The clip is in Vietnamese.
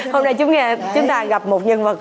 hôm nay chúng ta gặp một nhân vật